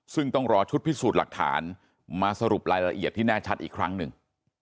ซึ่งต้องรอชุดพิสูจน์หลักฐานมาสรุปรายละเอียดที่แน่ชัดอีกครั้งหนึ่ง